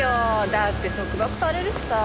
だって束縛されるしさ。